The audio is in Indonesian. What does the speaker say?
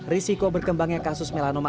risiko berkembangnya kasus melanoma